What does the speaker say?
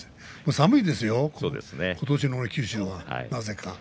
寒いですよ、今年の九州はなぜか。